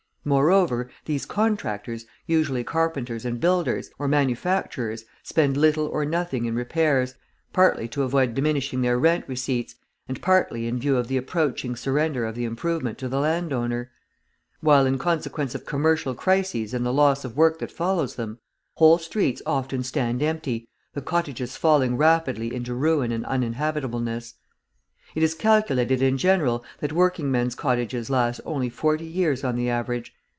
Moreover, these contractors, usually carpenters and builders, or manufacturers, spend little or nothing in repairs, partly to avoid diminishing their rent receipts, and partly in view of the approaching surrender of the improvement to the landowner; while in consequence of commercial crises and the loss of work that follows them, whole streets often stand empty, the cottages falling rapidly into ruin and uninhabitableness. It is calculated in general that working men's cottages last only forty years on the average.